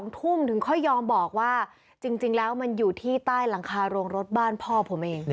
๒ทุ่มถึงค่อยยอมบอกว่าจริงแล้วมันอยู่ที่ใต้หลังคาโรงรถบ้านพ่อผมเอง